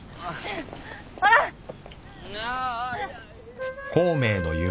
ほら！ああ。